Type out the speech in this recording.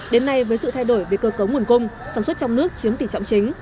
đến nay với sự thay đổi về cơ cấu nguồn cung sản xuất trong nước chiếm tỷ trọng chính